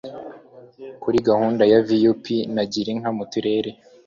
kuri gahunda ya vup na girinka mu turere